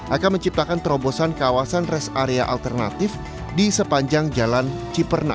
akan menciptakan terobosan kawasan rest area alternatif di sepanjang jalan ciperna